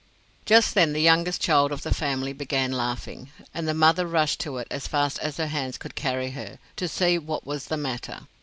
Just then the youngest child of the family began laughing, and the mother rushed to it as fast as her hands could carry her, to see what was the matter.